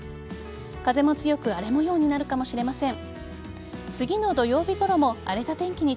風も強く荒れ模様になるかもしれません。